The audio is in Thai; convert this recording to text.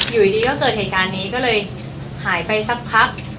อยู่ดีก็เกิดเหตุการณ์นี้ก็เลยหายไปสักพัก